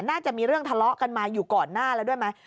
น่าจะมีเรื่องทะเลาะกันมาอยู่ก่อนหน้าแล้วด้วยไหม